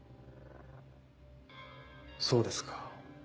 そうですか。